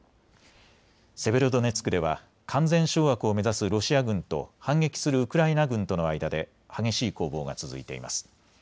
セベロドネツクでは完全掌握を目指すロシア軍と反撃するウクライナ軍との間で激しい攻防が続いています。